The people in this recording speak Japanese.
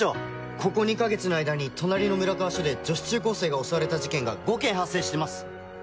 ここ２か月の間に隣の村川署で女子中高生が襲われた事件が５件発生してます。